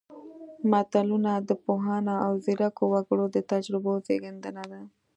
متلونه د پوهانو او ځیرکو وګړو د تجربو زېږنده ده